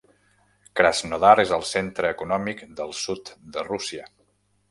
Krasnodar és el centre econòmic del sud de Rússia.